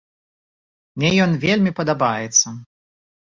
Мне ён вельмі падабаецца.